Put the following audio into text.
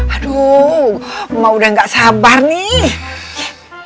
aduh mah udah gak sabar nih